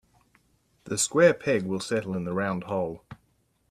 The square peg will settle in the round hole.